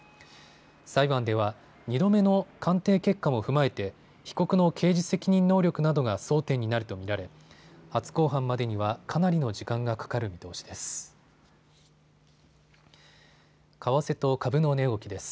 裁判では２度目の鑑定結果も踏まえて被告の刑事責任能力などが争点になると見られ初公判までにはかなりの時間がかかる見通しです。